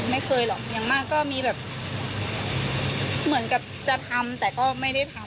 ไม่เคยหรอกอย่างมากก็มีแบบเหมือนกับจะทำแต่ก็ไม่ได้ทำ